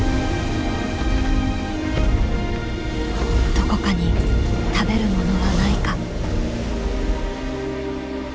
どこかに食べるものはないか。